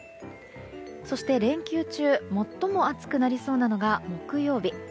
そして、連休中最も暑くなりそうなのが木曜日。